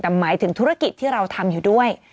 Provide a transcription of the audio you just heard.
แต่หมายถึงธุรกิจที่เราทำอยู่ด้วย